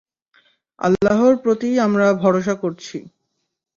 আল্লাহর প্রতিই আমরা ভরসা করছি।